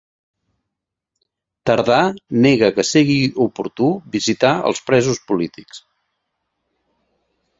Tardà nega que sigui oportú visitar els presos polítics